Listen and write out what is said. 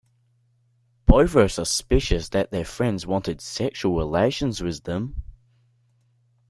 Both were suspicious that their friends wanted sexual relations with them.